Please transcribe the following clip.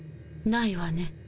ないわね。